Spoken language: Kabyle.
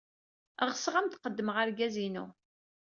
Ɣseɣ ad am-d-qeddmeɣ argaz-inu.